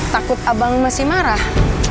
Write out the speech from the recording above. takut abang masih marah